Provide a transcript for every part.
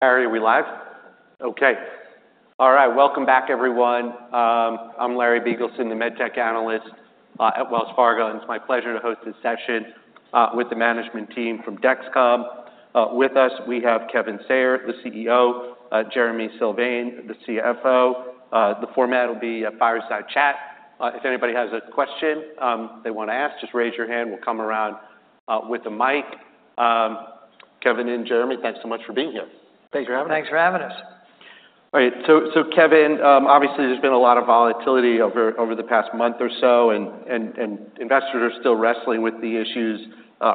Larry, are we live? Okay. All right, welcome back, everyone. I'm Larry Biegelsen, the med tech analyst at Wells Fargo, and it's my pleasure to host this session with the management team from Dexcom. With us, we have Kevin Sayer, the CEO, Jereme Sylvain, the CFO. The format will be a fireside chat. If anybody has a question they wanna ask, just raise your hand. We'll come around with the mic. Kevin and Jereme, thanks so much for being here. Thanks for having us. Thanks for having us. All right. So, Kevin, obviously, there's been a lot of volatility over the past month or so, and investors are still wrestling with the issues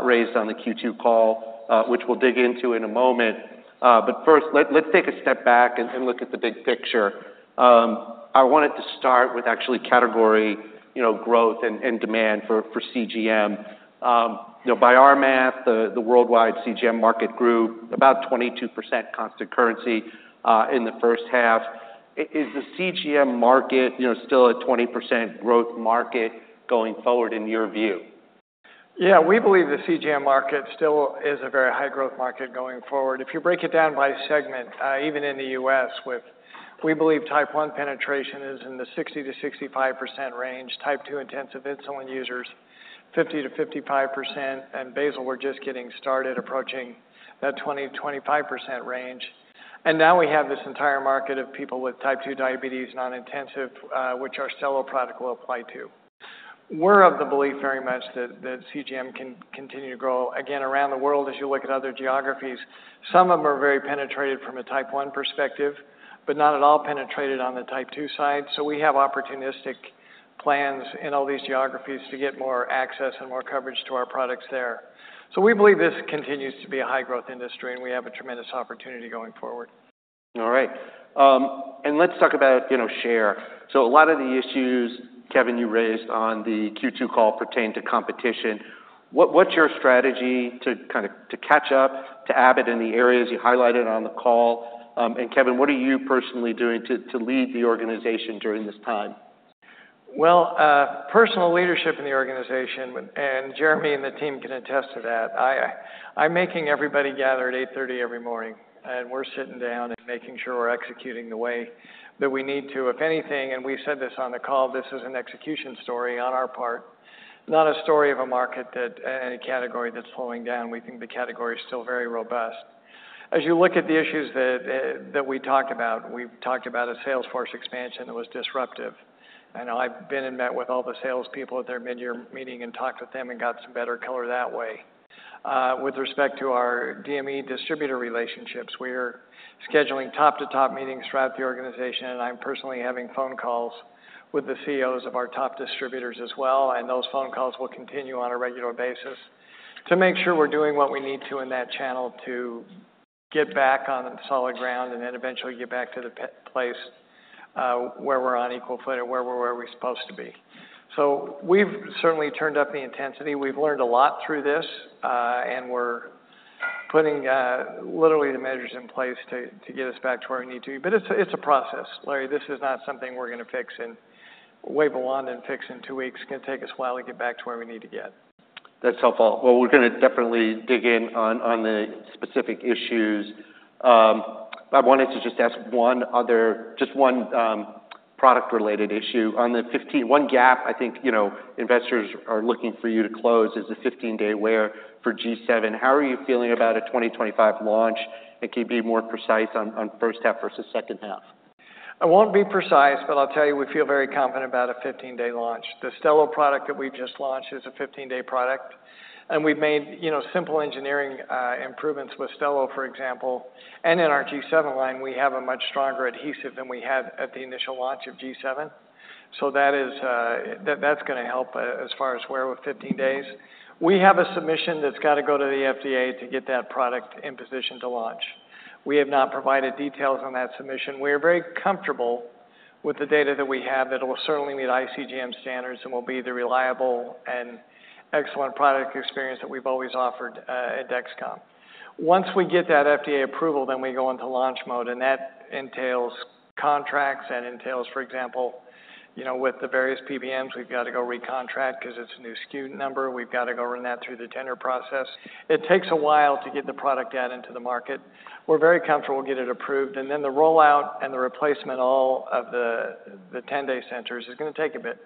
raised on the Q2 call, which we'll dig into in a moment. But first, let's take a step back and look at the big picture. I wanted to start with actually category, you know, growth and demand for CGM. You know, by our math, the worldwide CGM market grew about 22% constant currency in the first half. Is the CGM market, you know, still a 20% growth market going forward, in your view? Yeah, we believe the CGM market still is a very high growth market going forward. If you break it down by segment, even in the U.S., we believe Type 1 penetration is in the 60 to 65% range, Type 2 intensive insulin users, 50% to 55%, and basal, we're just getting started, approaching that 20% to 25% range. And now we have this entire market of people with Type 2 diabetes non-intensive, which our Stelo product will apply to. We're of the belief very much that CGM can continue to grow. Again, around the world, as you look at other geographies, some of them are very penetrated from a Type 1 perspective, but not at all penetrated on the Type 2 side. So we have opportunistic plans in all these geographies to get more access and more coverage to our products there. So we believe this continues to be a high growth industry, and we have a tremendous opportunity going forward. All right, and let's talk about, you know, share. So a lot of the issues, Kevin, you raised on the Q2 call pertained to competition. What's your strategy to kind of catch up to Abbott in the areas you highlighted on the call, and Kevin, what are you personally doing to lead the organization during this time? Well, personal leadership in the organization, and Jereme and the team can attest to that. I'm making everybody gather at 8:30 A.M. every morning, and we're sitting down and making sure we're executing the way that we need to. If anything, and we said this on the call, this is an execution story on our part, not a story of a market that, any category that's slowing down. We think the category is still very robust. As you look at the issues that, that we talked about, we've talked about a sales force expansion that was disruptive. I know I've been and met with all the salespeople at their midyear meeting and talked with them and got some better color that way. With respect to our DME distributor relationships, we're scheduling top-to-top meetings throughout the organization, and I'm personally having phone calls with the CEOs of our top distributors as well, and those phone calls will continue on a regular basis, to make sure we're doing what we need to in that channel to get back on solid ground and then eventually get back to the place where we're on equal foot or where we're supposed to be. So we've certainly turned up the intensity. We've learned a lot through this, and we're putting literally the measures in place to get us back to where we need to be. But it's a process. Larry, this is not something we're gonna fix in, wave a wand and fix in two weeks. It's gonna take us a while to get back to where we need to get. That's helpful. Well, we're gonna definitely dig in on the specific issues. I wanted to just ask one other, just one, product-related issue. On the 15-1 gap, I think, you know, investors are looking for you to close is the 15-day wear for G7. How are you feeling about a 2025 launch? And can you be more precise on first half versus second half? I won't be precise, but I'll tell you we feel very confident about a 15-day launch. The Stelo product that we've just launched is a 15-day product, and we've made, you know, simple engineering improvements with Stelo, for example, and in our G7 line, we have a much stronger adhesive than we had at the initial launch of G7. So that is. That, that's gonna help as far as wear with fifteen days. We have a submission that's got to go to the FDA to get that product in position to launch. We have not provided details on that submission. We are very comfortable with the data that we have, that it will certainly meet ICGM standards and will be the reliable and excellent product experience that we've always offered at Dexcom. Once we get that FDA approval, then we go into launch mode, and that entails contracts, that entails, for example, you know, with the various PBMs, we've got to go recontract because it's a new SKU number. We've got to go run that through the tender process. It takes a while to get the product out into the market. We're very comfortable we'll get it approved, and then the rollout and the replacement, all of the, the 10-day sensors is gonna take a bit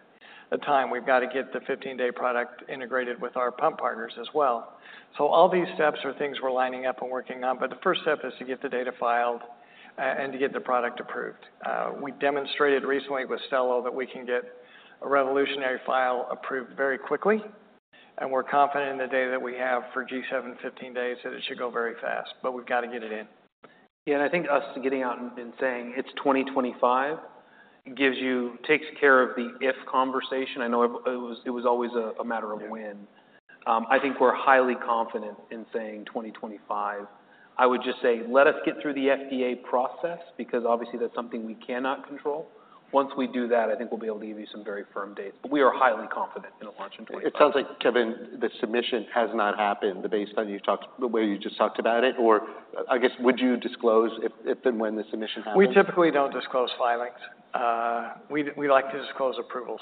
of time. We've got to get the 15-day product integrated with our pump partners as well. So all these steps are things we're lining up and working on, but the first step is to get the data filed, and to get the product approved. We demonstrated recently with Stelo that we can get a regulatory filing approved very quickly, and we're confident in the data that we have for G7 15 days, that it should go very fast, but we've got to get it in. Yeah, and I think us getting out and saying it's 2025 gives you, takes care of the if conversation. I know it was always a matter of when. I think we're highly confident in saying 2025. I would just say, let us get through the FDA process, because obviously that's something we cannot control. Once we do that, I think we'll be able to give you some very firm dates, but we are highly confident in a launch in 2025. It sounds like, Kevin, the submission has not happened, but based on the way you just talked about it, or I guess, would you disclose if and when the submission happens? We typically don't disclose filings. We like to disclose approvals.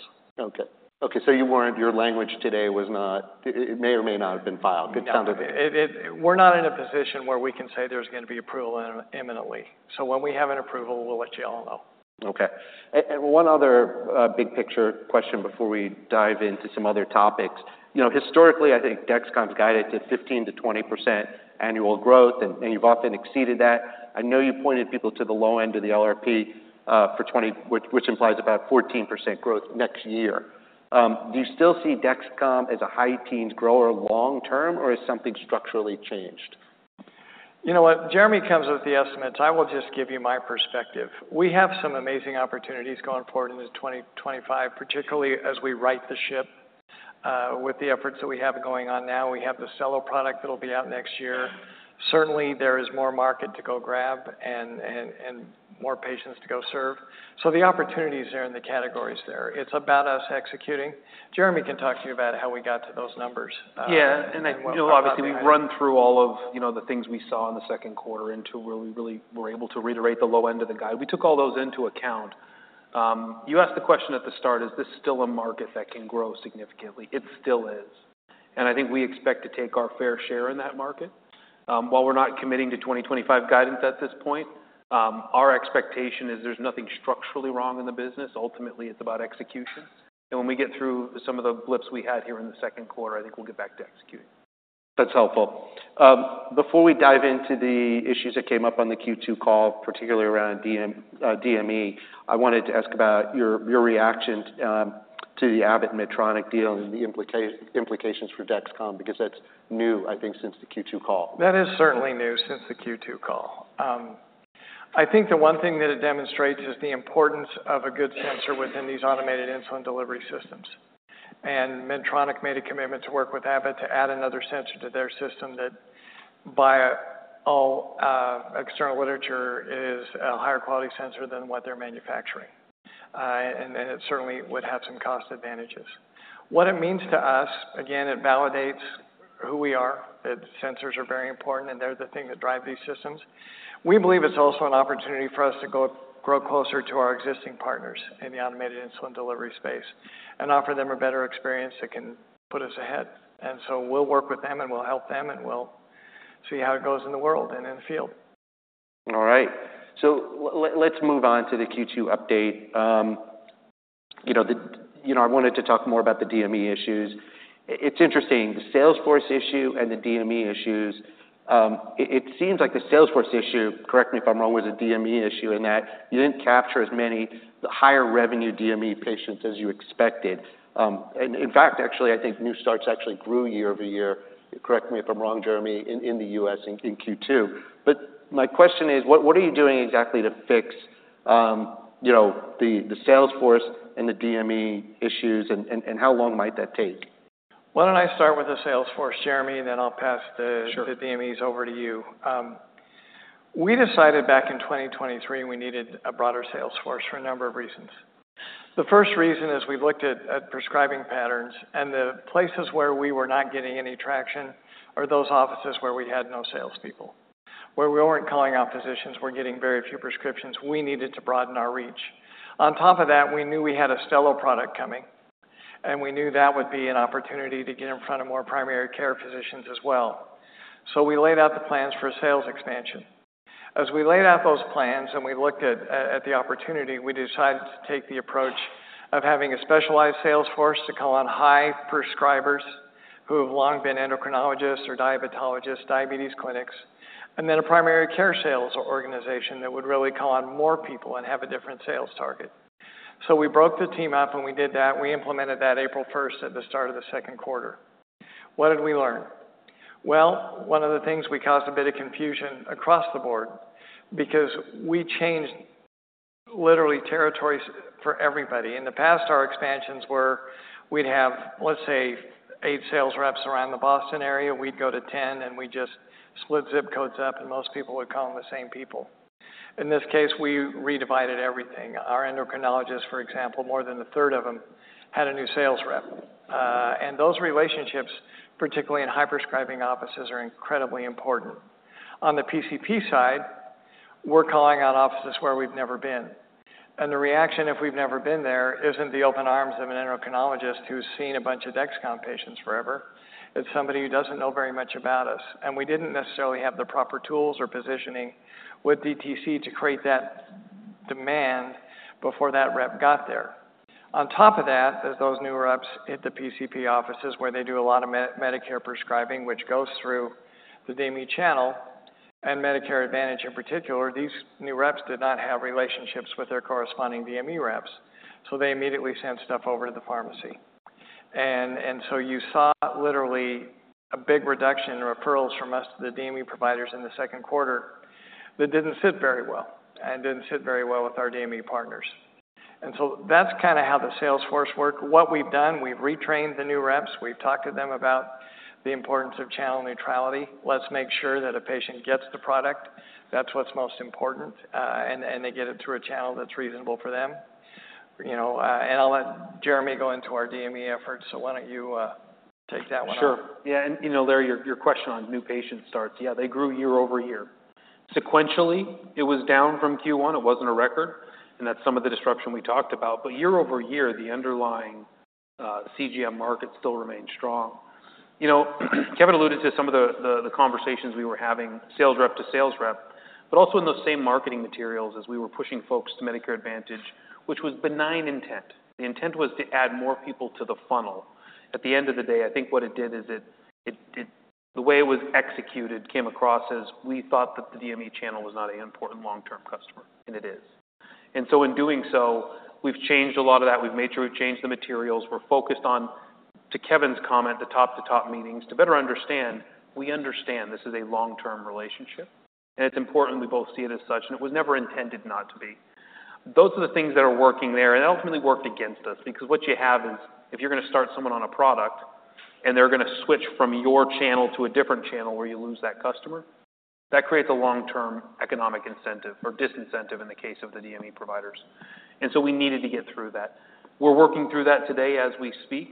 Okay, so your language today was not, it may or may not have been filed? No. It sounded. We're not in a position where we can say there's gonna be approval imminently. So when we have an approval, we'll let you all know. Okay. And one other big picture question before we dive into some other topics. You know, historically, I think Dexcom's guided to 15% to 20% annual growth, and you've often exceeded that. I know you pointed people to the low end of the LRP for twenty, which implies about 14% growth next year. Do you still see Dexcom as a high teens grower long term, or is something structurally changed? You know what? Jereme comes with the estimates. I will just give you my perspective. We have some amazing opportunities going forward into 2025, particularly as we right the ship with the efforts that we have going on now. We have the Stelo product that'll be out next year. Certainly, there is more market to go grab and more patients to go serve. So the opportunities are in the categories there. It's about us executing. Jereme can talk to you about how we got to those numbers. Yeah, and you know, obviously, we run through all of you know the things we saw in the second quarter into where we really were able to reiterate the low end of the guide. We took all those into account. You asked the question at the start, is this still a market that can grow significantly? It still is, and I think we expect to take our fair share in that market. While we're not committing to 2025 guidance at this point, our expectation is there's nothing structurally wrong in the business. Ultimately, it's about execution. And when we get through some of the blips we had here in the second quarter, I think we'll get back to executing. That's helpful. Before we dive into the issues that came up on the Q2 call, particularly around DME, I wanted to ask about your reaction to the Abbott Medtronic deal and the implications for Dexcom, because that's new, I think, since the Q2 call. That is certainly new since the Q2 call. I think the one thing that it demonstrates is the importance of a good sensor within these automated insulin delivery systems. Medtronic made a commitment to work with Abbott to add another sensor to their system that, by all external literature, is a higher quality sensor than what they're manufacturing. And it certainly would have some cost advantages. What it means to us, again, it validates who we are. The sensors are very important, and they're the thing that drive these systems. We believe it's also an opportunity for us to grow closer to our existing partners in the automated insulin delivery space and offer them a better experience that can put us ahead. And so we'll work with them, and we'll help them, and we'll see how it goes in the world and in the field. All right. So let's move on to the Q2 update. You know, I wanted to talk more about the DME issues. It's interesting, the sales force issue and the DME issues. It seems like the sales force issue, correct me if I'm wrong, was a DME issue, in that you didn't capture as many higher revenue DME patients as you expected. And in fact, actually, I think new starts actually grew year over year, correct me if I'm wrong, Jereme, in the U.S. in Q2. But my question is, what are you doing exactly to fix you know, the sales force and the DME issues and how long might that take? Why don't I start with the sales force, Jereme, and then I'll pass the Sure. DMEs over to you. We decided back in 2023 we needed a broader sales force for a number of reasons. The first reason is we've looked at prescribing patterns, and the places where we were not getting any traction are those offices where we had no salespeople, where we weren't calling on physicians. We're getting very few prescriptions. We needed to broaden our reach. On top of that, we knew we had a Stelo product coming, and we knew that would be an opportunity to get in front of more primary care physicians as well. So we laid out the plans for a sales expansion. As we laid out those plans and we looked at the opportunity, we decided to take the approach of having a specialized sales force to call on high prescribers who have long been endocrinologists or diabetologists, diabetes clinics, and then a primary care sales organization that would really call on more people and have a different sales target. So we broke the team up, and we did that. We implemented that April first, at the start of the second quarter. What did we learn? Well, one of the things, we caused a bit of confusion across the board because we changed literally territories for everybody. In the past, our expansions were, we'd have, let's say, eight sales reps around the Boston area. We'd go to 10, and we just split zip codes up, and most people would call them the same people. In this case, we re-divided everything. Our endocrinologists, for example, more than a third of them, had a new sales rep, and those relationships, particularly in high-prescribing offices, are incredibly important. On the PCP side, we're calling out offices where we've never been, and the reaction, if we've never been there, isn't the open arms of an endocrinologist who's seen a bunch of Dexcom patients forever. It's somebody who doesn't know very much about us, and we didn't necessarily have the proper tools or positioning with DTC to create that demand before that rep got there. On top of that, as those new reps hit the PCP offices, where they do a lot of Medicare prescribing, which goes through the DME channel and Medicare Advantage in particular, these new reps did not have relationships with their corresponding DME reps, so they immediately sent stuff over to the pharmacy. You saw literally a big reduction in referrals from us to the DME providers in the second quarter. That didn't sit very well and didn't sit very well with our DME partners. That's kind of how the sales force worked. What we've done, we've retrained the new reps. We've talked to them about the importance of channel neutrality. Let's make sure that a patient gets the product. That's what's most important, and they get it through a channel that's reasonable for them. You know, and I'll let Jereme go into our DME efforts, so why don't you take that one on? Sure. Yeah, and you know, Larry, your, your question on new patient starts, yeah, they grew year over year. Sequentially, it was down from Q1. It wasn't a record, and that's some of the disruption we talked about. But year over year, the underlying, CGM market still remains strong. You know, Kevin alluded to some of the, the conversations we were having, sales rep to sales rep, but also in those same marketing materials as we were pushing folks to Medicare Advantage, which was benign intent. The intent was to add more people to the funnel. At the end of the day, I think what it did is it, the way it was executed came across as we thought that the DME channel was not an important long-term customer, and it is. And so in doing so, we've changed a lot of that. We've made sure we've changed the materials. We're focused on, to Kevin's comment, the top to top meetings, to better understand. We understand this is a long-term relationship, and it's important we both see it as such, and it was never intended not to be. Those are the things that are working there, and ultimately worked against us. Because what you have is, if you're gonna start someone on a product, and they're gonna switch from your channel to a different channel where you lose that customer, that creates a long-term economic incentive or disincentive in the case of the DME providers. And so we needed to get through that. We're working through that today as we speak.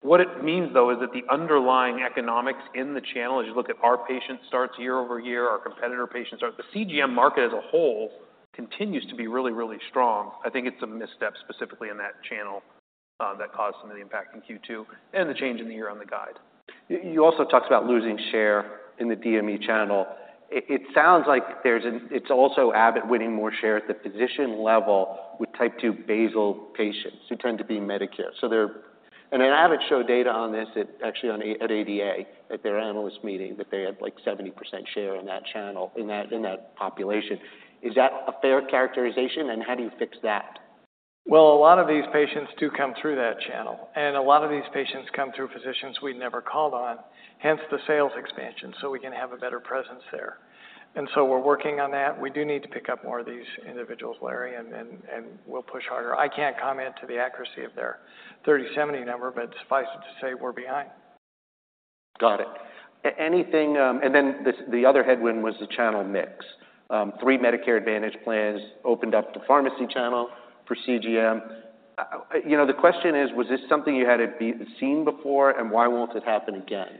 What it means, though, is that the underlying economics in the channel, as you look at our patient starts year over year, our competitor patients start. The CGM market as a whole continues to be really, really strong. I think it's a misstep, specifically in that channel, that caused some of the impact in Q2 and the change in the year on the guide. You also talked about losing share in the DME channel. It sounds like it's also Abbott winning more share at the physician level with Type 2 basal patients who tend to be Medicare. So they're. And then Abbott showed data on this at, actually on, at ADA, at their analyst meeting, that they had, like, 70% share in that channel, in that population. Is that a fair characterization, and how do you fix that? A lot of these patients do come through that channel, and a lot of these patients come through physicians we've never called on, hence the sales expansion, so we can have a better presence there. And so we're working on that. We do need to pick up more of these individuals, Larry, and we'll push harder. I can't comment to the accuracy of their 30/70 number, but suffice it to say, we're behind. Got it. And anything. And then the other headwind was the channel mix. Three Medicare Advantage plans opened up the pharmacy channel for CGM. You know, the question is, was this something you hadn't seen before, and why won't it happen again?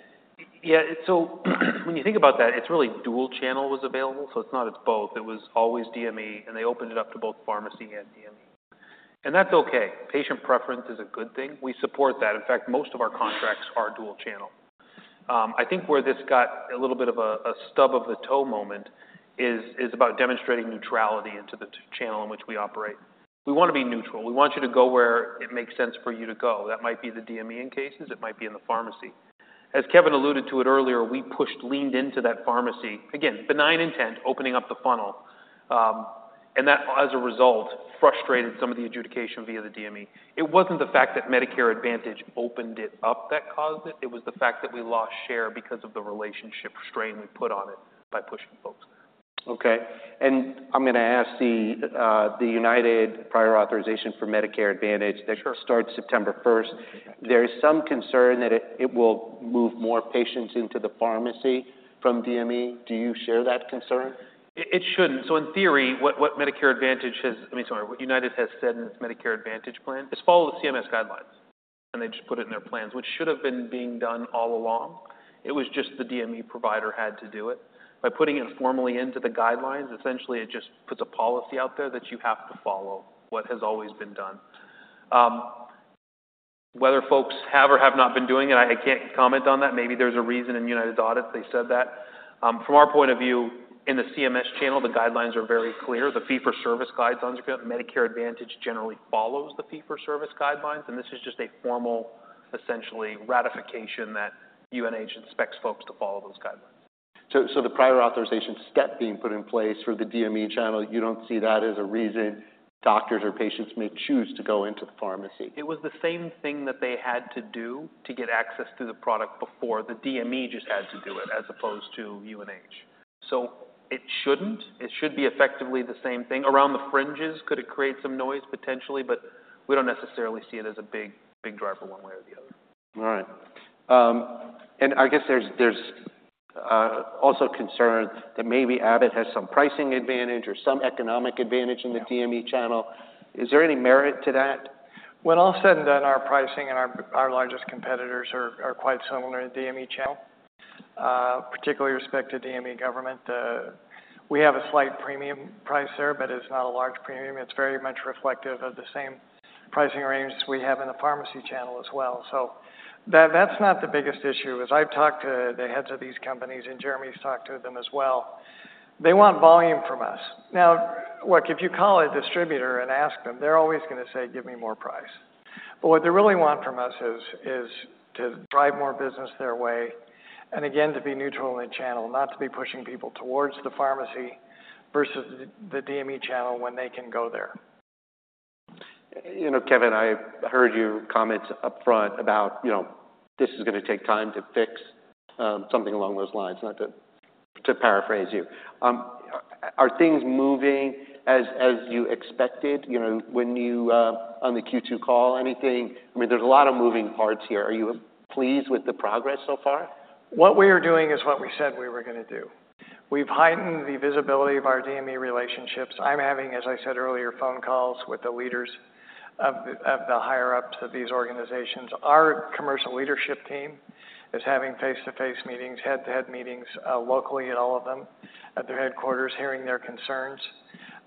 Yeah, so when you think about that, it's really dual channel was available, so it's not, it's both. It was always DME, and they opened it up to both pharmacy and DME. That's okay. Patient preference is a good thing. We support that. In fact, most of our contracts are dual channel. I think where this got a little bit of a stub of the toe moment is about demonstrating neutrality in the channel in which we operate. We wanna be neutral. We want you to go where it makes sense for you to go. That might be the DME in cases. It might be in the pharmacy. As Kevin alluded to it earlier, we pushed, leaned into that pharmacy. Again, benign intent, opening up the funnel, and that, as a result, frustrated some of the adjudication via the DME. It wasn't the fact that Medicare Advantage opened it up that caused it. It was the fact that we lost share because of the relationship strain we put on it by pushing folks. Okay, and I'm gonna ask the UnitedHealthcare prior authorization for Medicare Advantage Sure. that starts September first. There is some concern that it will move more patients into the pharmacy from DME. Do you share that concern? It shouldn't. So in theory, what Medicare Advantage has. I mean, sorry, what United has said in its Medicare Advantage plan is follow the CMS guidelines, and they just put it in their plans, which should have been being done all along. It was just the DME provider had to do it. By putting it formally into the guidelines, essentially, it just puts a policy out there that you have to follow what has always been done. Whether folks have or have not been doing it, I can't comment on that. Maybe there's a reason in United audit, they said that. From our point of view, in the CMS channel, the guidelines are very clear. The fee-for-service guidelines, Medicare Advantage generally follows the fee-for-service guidelines, and this is just a formal, essentially, ratification that UNH expects folks to follow those guidelines. The prior authorization step being put in place for the DME channel, you don't see that as a reason doctors or patients may choose to go into the pharmacy? It was the same thing that they had to do to get access to the product before. The DME just had to do it, as opposed to UNH. So it shouldn't. It should be effectively the same thing. Around the fringes, could it create some noise? Potentially, but we don't necessarily see it as a big, big driver one way or the other. All right, and I guess there's also concern that maybe Abbott has some pricing advantage or some economic advantage. in the DME channel. Is there any merit to that? When all is said and done, our pricing and our largest competitors are quite similar in the DME channel, particularly with respect to DME government. We have a slight premium price there, but it's not a large premium. It's very much reflective of the same pricing range we have in the pharmacy channel as well. So that's not the biggest issue, as I've talked to the heads of these companies, and Jereme's talked to them as well. They want volume from us. Now, look, if you call a distributor and ask them, they're always gonna say, "Give me more price." But what they really want from us is to drive more business their way, and again, to be neutral in the channel, not to be pushing people towards the pharmacy versus the DME channel when they can go there. You know, Kevin, I heard you comment upfront about, you know, this is gonna take time to fix, something along those lines, not to paraphrase you. Are things moving as you expected, you know, when you on the Q2 call, anything? I mean, there's a lot of moving parts here. Are you pleased with the progress so far? What we are doing is what we said we were gonna do. We've heightened the visibility of our DME relationships. I'm having, as I said earlier, phone calls with the leaders of the higher-ups of these organizations. Our commercial leadership team is having face-to-face meetings, head-to-head meetings, locally at all of them at their headquarters, hearing their concerns.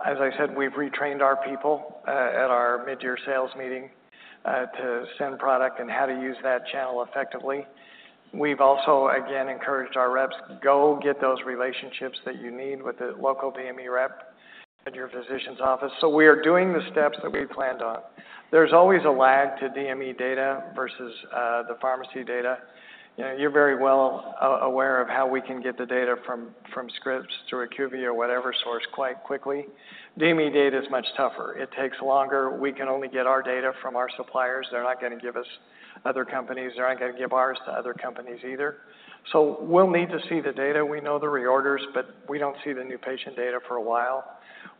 As I said, we've retrained our people at our mid-year sales meeting to send product and how to use that channel effectively. We've also, again, encouraged our reps, go get those relationships that you need with the local DME rep at your physician's office. So we are doing the steps that we planned on. There's always a lag to DME data versus the pharmacy data. You know, you're very well aware of how we can get the data from scripts through IQVIA or whatever source, quite quickly. DME data is much tougher. It takes longer. We can only get our data from our suppliers. They're not gonna give us other companies; they're not gonna give ours to other companies either. So we'll need to see the data. We know the reorders, but we don't see the new patient data for a while.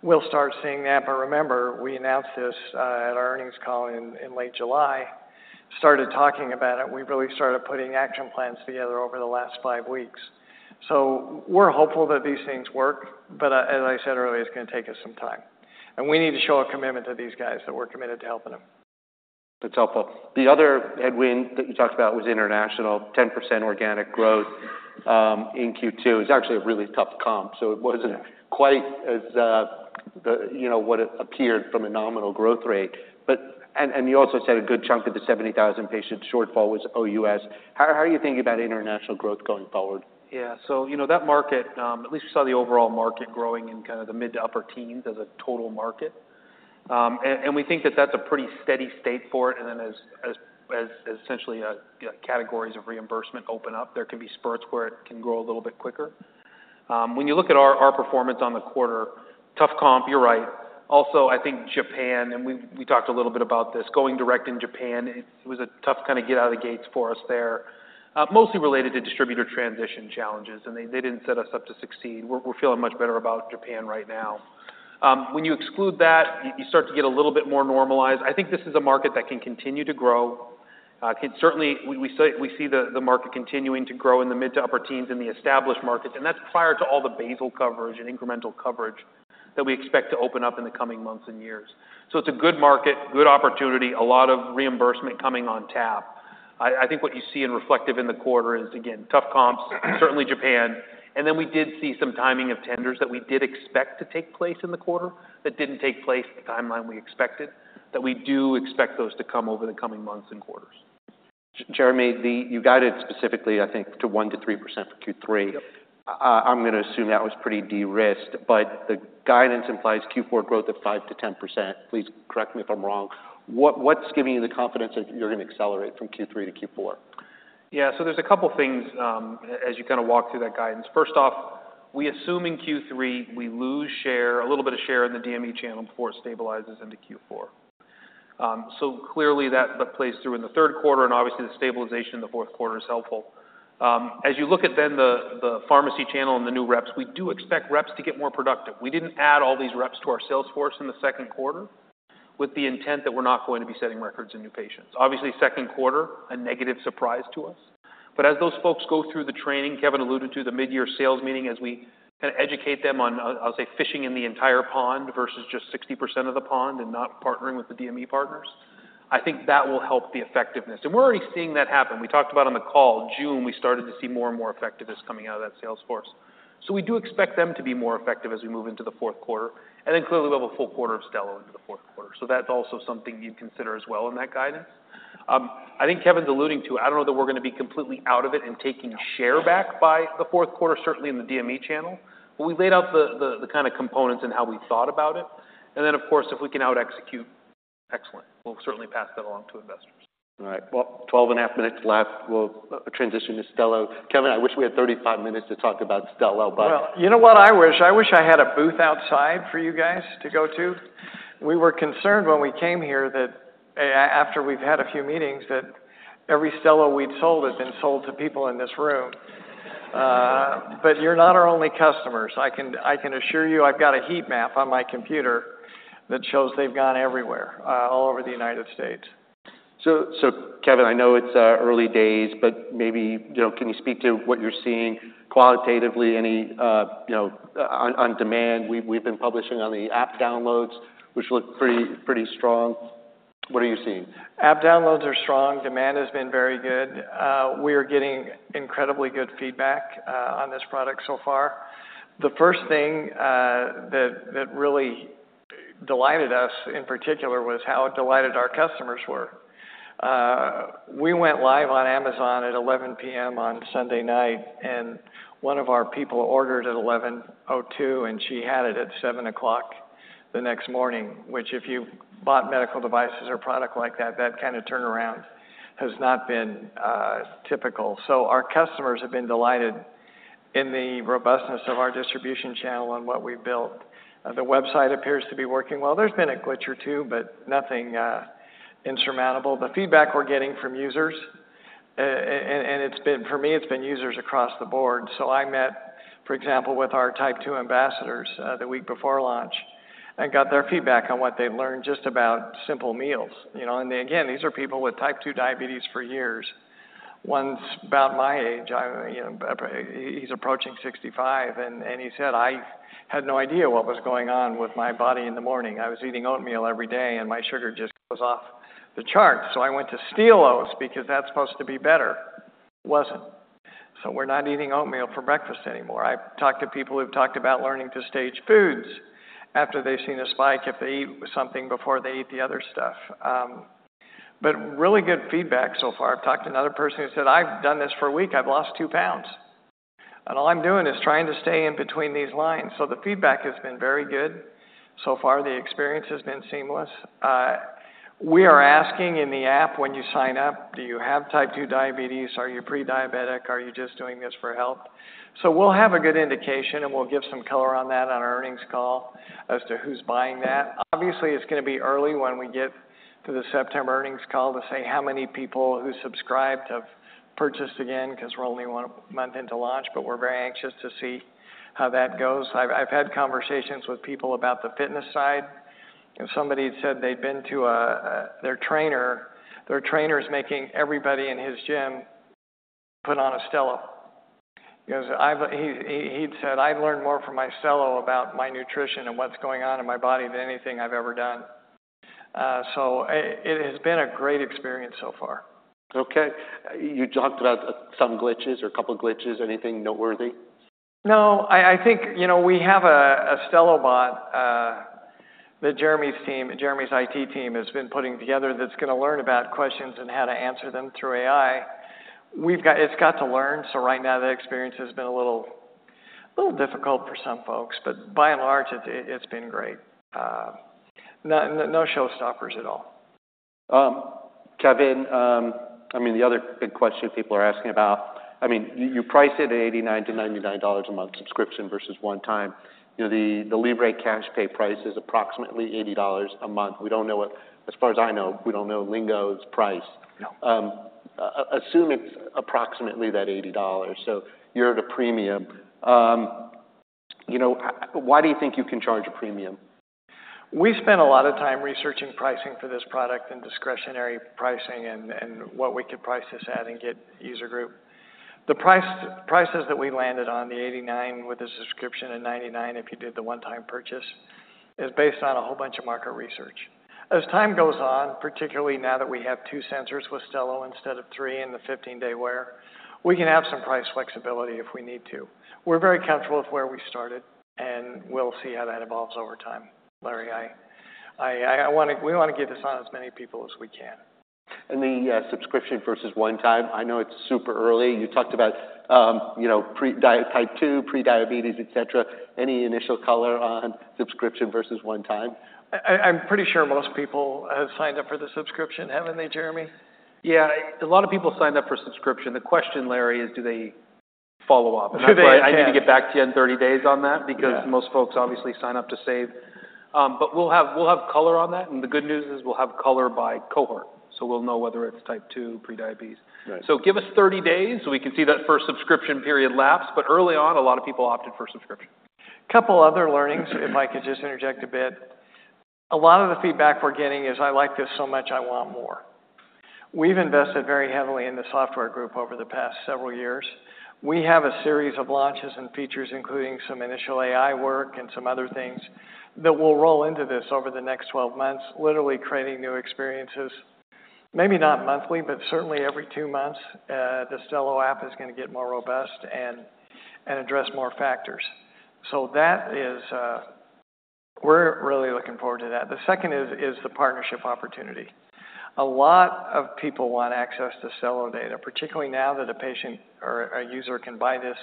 We'll start seeing that, but remember, we announced this at our earnings call in late July. Started talking about it, we really started putting action plans together over the last five weeks. So we're hopeful that these things work, but, as I said earlier, it's gonna take us some time, and we need to show a commitment to these guys, that we're committed to helping them. That's helpful. The other headwind that you talked about was international, 10% organic growth, in Q2. It's actually a really tough comp, so it wasn't Yeah quite as, the, you know, what it appeared from a nominal growth rate. But. And you also said a good chunk of the 70,000 patient shortfall was OUS. How are you thinking about international growth going forward? Yeah. So, you know, that market, at least we saw the overall market growing in kind of the mid to upper teens as a total market. And we think that that's a pretty steady state for it, and then as essentially, you know, categories of reimbursement open up, there can be spurts where it can grow a little bit quicker. When you look at our performance on the quarter, tough comp, you're right. Also, I think Japan, and we talked a little bit about this, going direct in Japan, it was a tough kind of get out of the gates for us there. Mostly related to distributor transition challenges, and they didn't set us up to succeed. We're feeling much better about Japan right now. When you exclude that, you start to get a little bit more normalized. I think this is a market that can continue to grow. We see the market continuing to grow in the mid to upper teens in the established markets, and that's prior to all the basal coverage and incremental coverage that we expect to open up in the coming months and years. So it's a good market, good opportunity, a lot of reimbursement coming on tap. I think what you see and reflective in the quarter is, again, tough comps, certainly Japan, and then we did see some timing of tenders that we did expect to take place in the quarter, that didn't take place in the timeline we expected, that we do expect those to come over the coming months and quarters. Jereme, you guided specifically, I think, to 1% to 3% for Q3. Yep. I'm gonna assume that was pretty de-risked, but the guidance implies Q4 growth of 5% to 10%. Please correct me if I'm wrong. What's giving you the confidence that you're gonna accelerate from Q3 to Q4? Yeah, so there's a couple things, as you kind of walk through that guidance. First off, we assume in Q3, we lose share, a little bit of share in the DME channel before it stabilizes into Q4. So clearly, that plays through in the third quarter, and obviously, the stabilization in the fourth quarter is helpful. As you look at then the pharmacy channel and the new reps, we do expect reps to get more productive. We didn't add all these reps to our sales force in the second quarter with the intent that we're not going to be setting records in new patients. Obviously, second quarter, a negative surprise to us. But as those folks go through the training, Kevin alluded to the mid-year sales meeting, as we kinda educate them on, I'll say, fishing in the entire pond versus just 60% of the pond and not partnering with the DME partners, I think that will help the effectiveness. And we're already seeing that happen. We talked about on the call, June, we started to see more and more effectiveness coming out of that sales force. So we do expect them to be more effective as we move into the fourth quarter, and then clearly, we'll have a full quarter of Stelo into the fourth quarter. So that's also something you'd consider as well in that guidance. I think Kevin's alluding to, I don't know that we're gonna be completely out of it and taking share back by the fourth quarter, certainly in the DME channel, but we've laid out the kinda components and how we thought about it, and then, of course, if we can out execute, excellent. We'll certainly pass that along to investors. All right, well, twelve and a half minutes left. We'll transition to Stelo. Kevin, I wish we had thirty-five minutes to talk about Stelo, but You know what I wish? I wish I had a booth outside for you guys to go to. We were concerned when we came here that after we've had a few meetings, that every Stelo we'd sold had been sold to people in this room. But you're not our only customers. I can, I can assure you, I've got a heat map on my computer that shows they've gone everywhere, all over the United States. So Kevin, I know it's early days, but maybe, you know, can you speak to what you're seeing qualitatively, any, you know, on demand? We've been publishing on the app downloads, which look pretty strong. What are you seeing? App downloads are strong. Demand has been very good. We are getting incredibly good feedback on this product so far. The first thing that really delighted us in particular was how delighted our customers were. We went live on Amazon at 11:00 P.M. on Sunday night, and one of our people ordered at 11:02, and she had it at 7:00 A.M. the next morning, which if you bought medical devices or product like that, that kind of turnaround has not been typical. So our customers have been delighted in the robustness of our distribution channel and what we've built. The website appears to be working well. There's been a glitch or two, but nothing insurmountable. The feedback we're getting from users and it's been, for me, it's been users across the board. So I met, for example, with our Type 2 ambassadors, the week before launch and got their feedback on what they've learned just about simple meals, you know? And again, these are people with Type 2 diabetes for years. One's about my age, you know, he's approaching 65, and he said, "I had no idea what was going on with my body in the morning. I was eating oatmeal every day, and my sugar just goes off the charts. So I went to steel-cut oats because that's supposed to be better. Wasn't. So we're not eating oatmeal for breakfast anymore. I've talked to people who've talked about learning to space foods after they've seen a spike if they eat something before they eat the other stuff. But really good feedback so far. I've talked to another person who said, "I've done this for a week, I've lost two pounds, and all I'm doing is trying to stay in between these lines." So the feedback has been very good. So far, the experience has been seamless. We are asking in the app when you sign up, do you have Type 2 diabetes? Are you pre-diabetic? Are you just doing this for health? So we'll have a good indication, and we'll give some color on that on our earnings call as to who's buying that. Obviously, it's gonna be early when we get to the September earnings call to say how many people who subscribed have purchased again, because we're only one month into launch, but we're very anxious to see how that goes. I've had conversations with people about the fitness side. Somebody had said they'd been to their trainer. Their trainer is making everybody in his gym put on a Stelo. Because he'd said, "I've learned more from my Stelo about my nutrition and what's going on in my body than anything I've ever done." So it has been a great experience so far. Okay. You talked about some glitches or a couple of glitches, anything noteworthy? No, I think, you know, we have a Stelo bot that Jereme's team, Jereme's IT team, has been putting together that's gonna learn about questions and how to answer them through AI. We've got it. It's got to learn, so right now, the experience has been a little difficult for some folks, but by and large, it's been great. No showstoppers at all. Kevin, I mean, the other big question people are asking about. I mean, you priced it at $89 to $99 a month subscription versus one time. You know, the Libre cash pay price is approximately $80 a month. We don't know what. As far as I know, we don't know Lingo's price. No. Assume it's approximately that $80, so you're at a premium. You know, why do you think you can charge a premium? We spent a lot of time researching pricing for this product and discretionary pricing and what we could price this at and get user group. The prices that we landed on, the $89 with the subscription and $99, if you did the one-time purchase, is based on a whole bunch of market research. As time goes on, particularly now that we have two sensors with Stelo instead of three in the 15-day wear, we can have some price flexibility if we need to. We're very comfortable with where we started, and we'll see how that evolves over time. Larry, I wanna we wanna get this on as many people as we can. The subscription versus one time, I know it's super early. You talked about, you know, prediabetes, et cetera. Any initial color on subscription versus one time? I'm pretty sure most people have signed up for the subscription, haven't they, Jereme? Yeah, a lot of people signed up for subscription. The question, Larry, is: do they follow up? Do they I need to get back to you in 30 days on that Yeah. because most folks obviously sign up to save. But we'll have color on that, and the good news is we'll have color by cohort, so we'll know whether it's Type 2, prediabetes. Right. So give us 30 days, so we can see that first subscription period lapse. But early on, a lot of people opted for subscription. couple other learnings, if I could just interject a bit. A lot of the feedback we're getting is: I like this so much, I want more. We've invested very heavily in the software group over the past several years. We have a series of launches and features, including some initial AI work and some other things, that will roll into this over the next twelve months, literally creating new experiences, maybe not monthly, but certainly every two months, the Stelo app is gonna get more robust and address more factors. So that is. We're really looking forward to that. The second is the partnership opportunity. A lot of people want access to Stelo data, particularly now that a patient or a user can buy this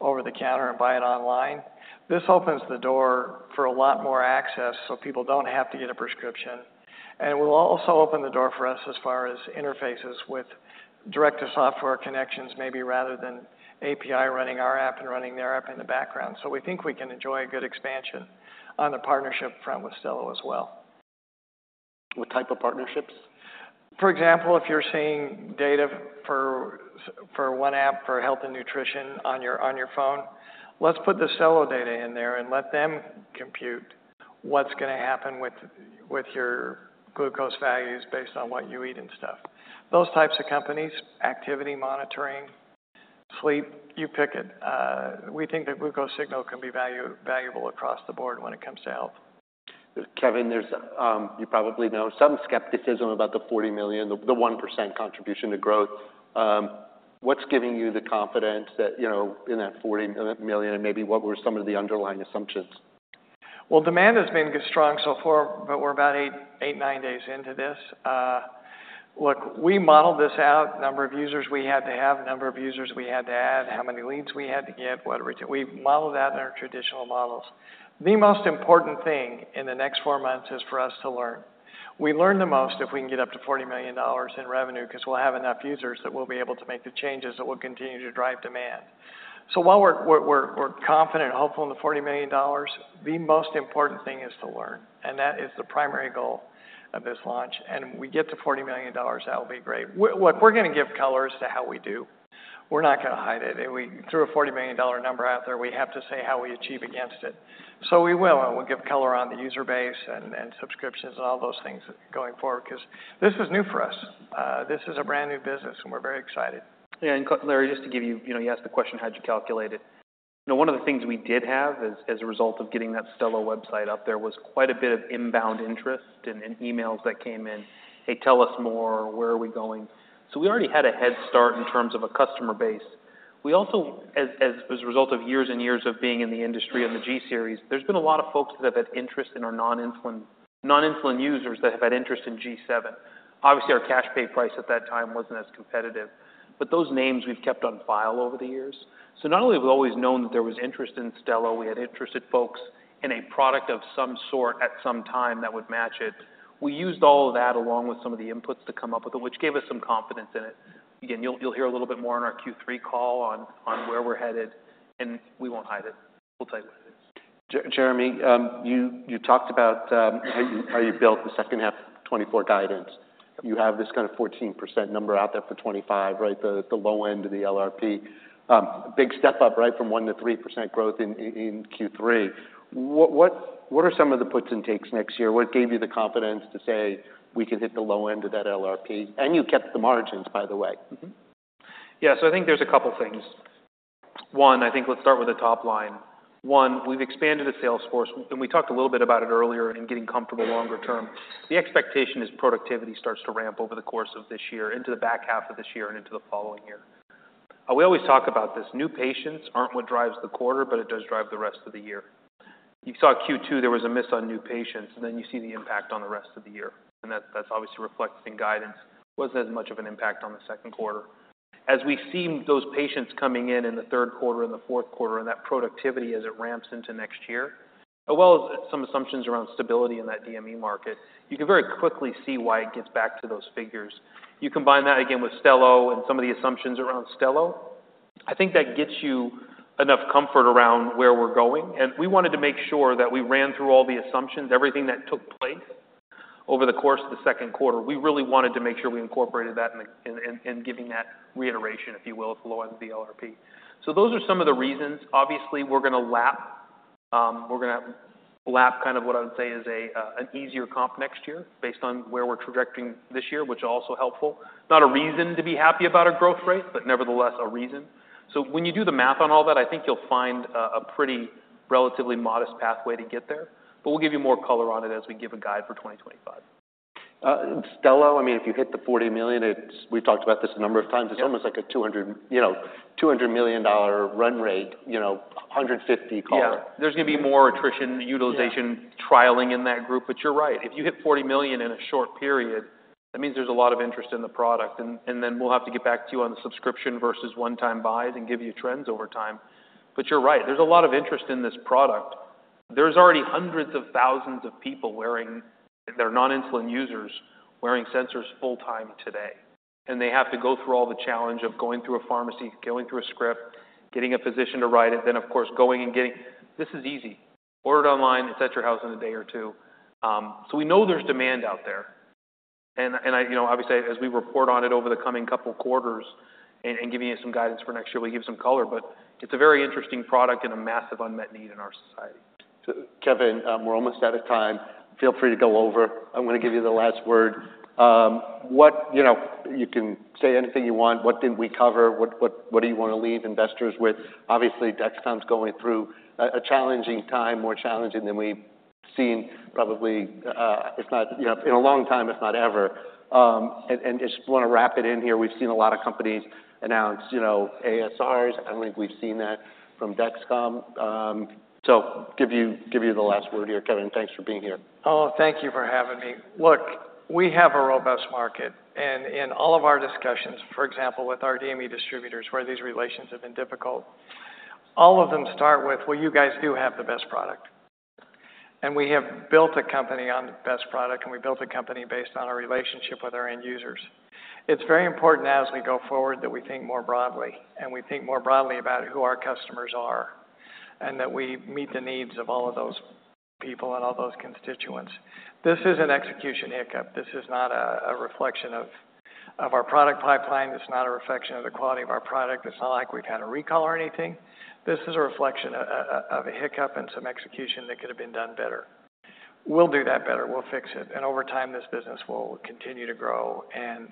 over the counter and buy it online. This opens the door for a lot more access, so people don't have to get a prescription. And it will also open the door for us as far as interfaces with direct-to-software connections, maybe rather than API running our app and running their app in the background. So we think we can enjoy a good expansion on the partnership front with Stelo as well. What type of partnerships? For example, if you're seeing data for one app for health and nutrition on your phone, let's put the Stelo data in there and let them compute what's gonna happen with your glucose values based on what you eat and stuff. Those types of companies, activity monitoring, sleep, you pick it. We think the glucose signal can be valuable across the board when it comes to health. Kevin, there's you probably know some skepticism about the $40 million, the 1% contribution to growth. What's giving you the confidence that, you know, in that $40 million, and maybe what were some of the underlying assumptions? Demand has been strong so far, but we're about eight or nine days into this. Look, we modeled this out, number of users we had to have, number of users we had to add, how many leads we had to get, what do we do? We modeled that in our traditional models. The most important thing in the next four months is for us to learn. We learn the most if we can get up to $40 million in revenue because we'll have enough users that we'll be able to make the changes that will continue to drive demand. So while we're confident and hopeful in the $40 million, the most important thing is to learn, and that is the primary goal of this launch. If we get to $40 million, that will be great. Look, we're gonna give color as to how we do. We're not gonna hide it. We threw a $40 million number out there. We have to say how we achieve against it. So we will, and we'll give color on the user base and subscriptions and all those things going forward, because this was new for us. This is a brand-new business, and we're very excited. Yeah, and Larry, just to give you. You know, you asked the question: How'd you calculate it? You know, one of the things we did have as a result of getting that Stelo website up, there was quite a bit of inbound interest and emails that came in. "Hey, tell us more. Where are we going?" So we already had a head start in terms of a customer base. We also, as a result of years and years of being in the industry and the G-series, there's been a lot of folks that have had interest in our non-insulin users that have had interest in G7. Obviously, our cash pay price at that time wasn't as competitive, but those names we've kept on file over the years. So not only have we always known that there was interest in Stelo, we had interested folks in a product of some sort at some time that would match it. We used all of that, along with some of the inputs, to come up with it, which gave us some confidence in it. Again, you'll, you'll hear a little bit more on our Q3 call on, on where we're headed, and we won't hide it. We'll tell you what it is. Jereme, you talked about how you built the second half 2024 guidance. You have this kind of 14% number out there for 2025, right? The low end of the LRP. Big step up, right, from 1% to 3% growth in Q3. What are some of the puts and takes next year? What gave you the confidence to say, "We can hit the low end of that LRP?" And you kept the margins, by the way. Yeah. So I think there's a couple things. One, I think let's start with the top line. One, we've expanded the sales force, and we talked a little bit about it earlier and getting comfortable longer term. The expectation is productivity starts to ramp over the course of this year, into the back half of this year and into the following year. We always talk about this. New patients aren't what drives the quarter, but it does drive the rest of the year. You saw Q2, there was a miss on new patients, and then you see the impact on the rest of the year, and that's obviously reflected in guidance. Wasn't as much of an impact on the second quarter. As we've seen those patients coming in in the third quarter and the fourth quarter and that productivity as it ramps into next year, as well as some assumptions around stability in that DME market, you can very quickly see why it gets back to those figures. You combine that again with Stelo and some of the assumptions around Stelo, I think that gets you enough comfort around where we're going. And we wanted to make sure that we ran through all the assumptions, everything that took place over the course of the second quarter. We really wanted to make sure we incorporated that in the giving that reiteration, if you will, at the low end of the LRP. So those are some of the reasons. Obviously, we're gonna lap. We're gonna lap kind of what I would say is an easier comp next year based on where we're projecting this year, which is also helpful. Not a reason to be happy about our growth rate, but nevertheless, a reason. So when you do the math on all that, I think you'll find a pretty relatively modest pathway to get there, but we'll give you more color on it as we give a guide for 2025. Stelo, I mean, if you hit the $40 million, it's. We've talked about this a number of times. Yeah. It's almost like a 200, you know, $200 million run rate, you know, 150 color. Yeah. There's gonna be more attrition, utilization Yeah trialing in that group. But you're right, if you hit forty million in a short period, that means there's a lot of interest in the product. And then we'll have to get back to you on the subscription versus one-time buys and give you trends over time. But you're right, there's a lot of interest in this product. There's already hundreds of thousands of people wearing, that are non-insulin users, wearing sensors full-time today, and they have to go through all the challenge of going through a pharmacy, going through a script, getting a physician to write it, then, of course, going and getting. This is easy. Order it online, it's at your house in a day or two. So we know there's demand out there. I, you know, obviously, as we report on it over the coming couple quarters and giving you some guidance for next year, we'll give some color, but it's a very interesting product and a massive unmet need in our society. So, Kevin, we're almost out of time. Feel free to go over. I'm gonna give you the last word. What? You know, you can say anything you want. What did we cover? What do you want to leave investors with? Obviously, Dexcom's going through a challenging time, more challenging than we've seen probably, if not, you know, in a long time, if not ever. And I just want to wrap it in here. We've seen a lot of companies announce, you know, ASRs. I don't think we've seen that from Dexcom. So give you the last word here, Kevin. Thanks for being here. Oh, thank you for having me. Look, we have a robust market, and in all of our discussions, for example, with our DME distributors, where these relations have been difficult, all of them start with, "Well, you guys do have the best product." And we have built a company on the best product, and we built a company based on our relationship with our end users. It's very important as we go forward, that we think more broadly, and we think more broadly about who our customers are, and that we meet the needs of all of those people and all those constituents. This is an execution hiccup. This is not a reflection of our product pipeline. It's not a reflection of the quality of our product. It's not like we've had a recall or anything. This is a reflection of a hiccup and some execution that could have been done better. We'll do that better. We'll fix it, and over time, this business will continue to grow, and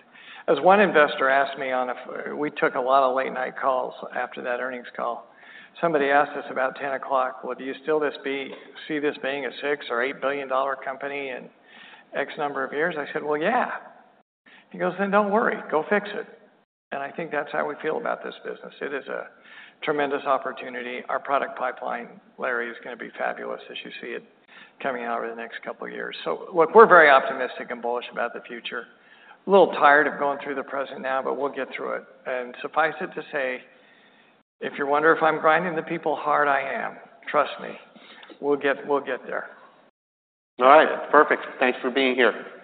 as one investor asked me on a. We took a lot of late-night calls after that earnings call. Somebody asked us about 10 o'clock, "Well, do you still see this being a $6 to $8 billion dollar company in X number of years?" I said, "Well, yeah." He goes, "Then don't worry. Go fix it," and I think that's how we feel about this business. It is a tremendous opportunity. Our product pipeline, Larry, is gonna be fabulous as you see it coming out over the next couple of years, so look, we're very optimistic and bullish about the future. A little tired of going through the present now, but we'll get through it, and suffice it to say, if you wonder if I'm grinding the people hard, I am. Trust me, we'll get, we'll get there. All right. Perfect. Thanks for being here.